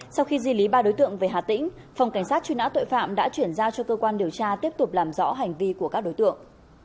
sau khi di lý ba đối tượng về hà tĩnh phòng cảnh sát truy nã tội phạm đã chuyển giao cho cơ quan điều tra tiếp tục làm rõ hành vi của các đối tượng